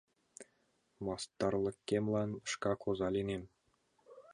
Мастарлыкемлан шкак оза лийнем.